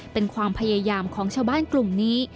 เป็นความพยายามของชาวบ้านกลุ่มนี้